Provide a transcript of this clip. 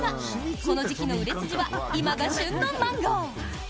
この時期の売れ筋は今が旬のマンゴー。